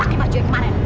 pake bajunya kemaren